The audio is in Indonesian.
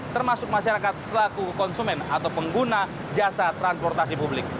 termasuk masyarakat selaku konsumen atau pengguna jasa transportasi publik